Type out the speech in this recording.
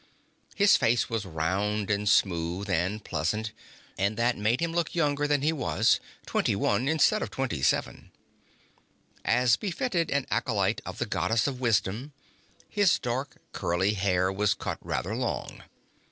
His face was round and smooth and pleasant, and that made him look younger than he was: twenty one instead of twenty seven. As befitted an acolyte of the Goddess of Wisdom, his dark, curly hair was cut rather long.